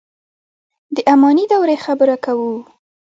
د اماني دورې خبره کوو.